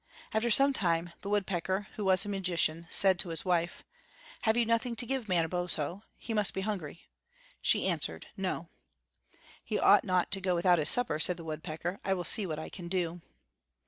After some time, the woodpecker, who was a magician, said to his wife: "Have you nothing to give Manabozho? He must be hungry." She answered, "No." "He ought not to go without his supper," said the woodpecker. "I will see what I can do."